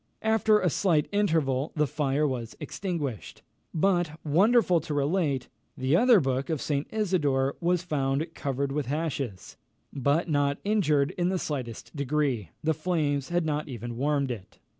After a slight interval, the fire was extinguished; but, wonderful to relate! the other book of St. Isidore was found covered with ashes, but not injured in the slightest degree. The flames had not even warmed it.